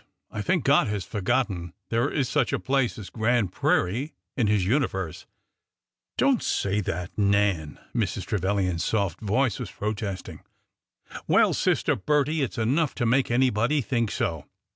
I think God has forgotten there is such a place as Grand Prairie in His universe !"" Don't say that. Nan," Mrs. Trevilian's soft voice was protesting. '' Well, Sister Bettie, it 's enough to make anybody think so!